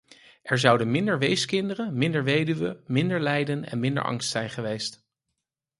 Er zouden minder weeskinderen, minder weduwen, minder lijden en minder angst zijn geweest.